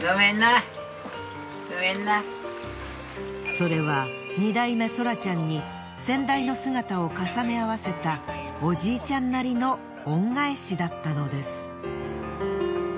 それは２代目ソラちゃんに先代の姿を重ね合わせたおじいちゃんなりの恩返しだったのです。